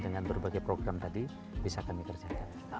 dengan berbagai program tadi bisa kami kerjakan